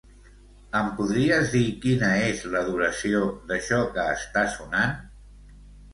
Em podries dir quina és la duració d'això que està sonant?